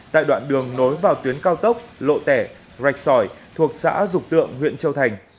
tại đoạn đường nối vào tuyến cao tốc lộ tẻ rạch sỏi thuộc xã dục tượng huyện châu thành